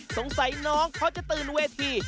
สงสัยน้องเขาจะตื่นเวที